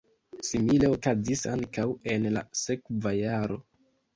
Simile okazis ankaŭ en la sekva jaro.